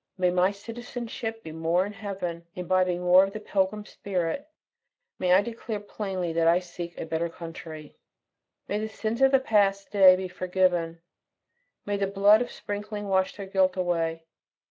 May my citizenship be more in heaven; imbibing more of the pilgrim spirit, may I declare plainly that I seek a better country. May the sins of the past day be forgiven; may the blood of sprinkling wash their guilt away.